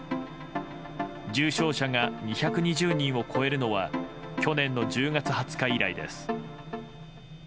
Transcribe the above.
重症者が２２０人を超えるのは去年の１０月２０日以来です。